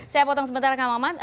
saya potong sementara kang maman